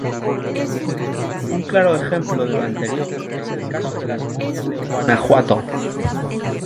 Un claro ejemplo de lo anterior es el caso de las momias de Guanajuato.